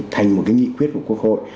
thành một nghị quyết của quốc hội